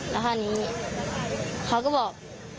แล้วคราวนี้เขาก็บอก